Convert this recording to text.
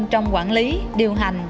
trong quản lý điều hành